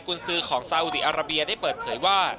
คุณซื้อของซาอุดีอาราเบียได้เปิดเผยว่า